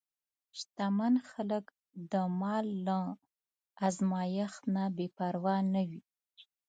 شتمن خلک د مال له ازمېښت نه بېپروا نه وي.